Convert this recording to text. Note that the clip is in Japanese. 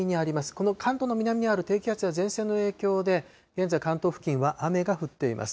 この関東の南にある低気圧や前線の影響で、現在、関東付近は雨が降っています。